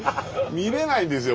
見れないんですよ